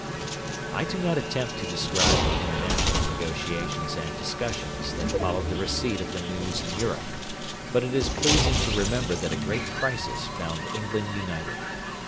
I do not attempt to describe the international negotiations and discussions that followed the receipt of the news in Europe, but it is pleasing to remember that a great crisis found England united.